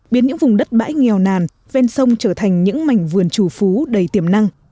biến những vùng đất bãi nghèo nàn ven sông trở thành những mảnh vườn chủ phú đầy tiềm năng